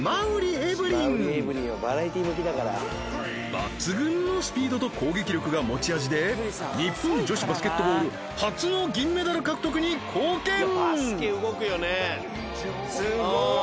エブリン抜群のスピードと攻撃力が持ち味で日本女子バスケットボール初の銀メダル獲得に貢献バスケ動くよね